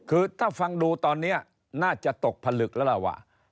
คือถ้าฟังดูตอนนี้น่าจะตกผลึกแล้วล่ะว่า